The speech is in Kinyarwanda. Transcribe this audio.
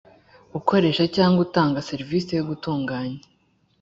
ukoresha cyangwa utanga serivisi yo gutunganya